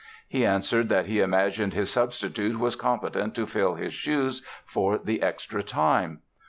He answered that he imagined his substitute was competent to fill his shoes for the extra time.